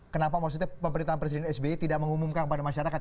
kenapa maksudnya pemerintahan presiden sbi tidak mengumumkan kepada masyarakat